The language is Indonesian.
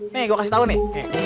nih gue kasih tau nih